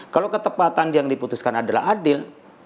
kalau ketepatan yang diputuskan adalah adil